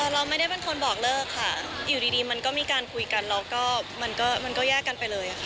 เราไม่ได้เป็นคนบอกเลิกค่ะอยู่ดีมันก็มีการคุยกันแล้วก็มันก็แยกกันไปเลยค่ะ